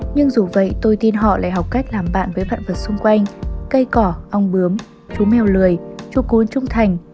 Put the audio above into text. nhưng dù vậy tôi tin họ lại học cách làm bạn với vạn vật xung quanh cây cỏ ong bướm chú mèo lười chúa cuốn trung thành